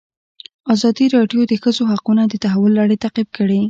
ازادي راډیو د د ښځو حقونه د تحول لړۍ تعقیب کړې.